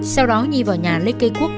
sau đó nhi vào nhà lấy cây cuốc